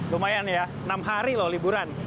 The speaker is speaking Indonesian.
lumayan ya enam hari loh liburan